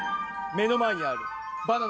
目の前にあるハッ！